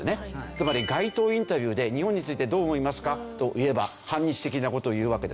つまり街頭インタビューで日本についてどう思いますか？と言えば反日的な事を言うわけですよ。